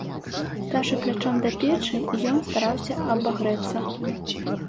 Стаўшы плячом да печы, ён стараўся абагрэцца.